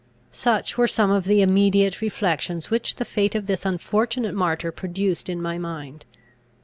Such were some of the immediate reflections which the fate of this unfortunate martyr produced in my mind.